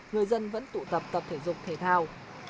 người dân vẫn tụ tập thể dục thể thao